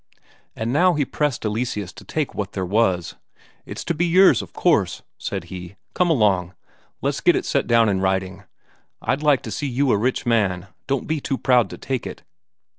And now he pressed Eleseus to take what there was. "It's to be yours, of course," said he. "Come along, let's get it set down in writing. I'd like to see you a rich man. Don't be too proud to take it!"